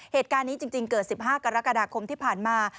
เหตุการณ์นี้จริงเกิด๑๕กรกฎาคมที่ผ่านมา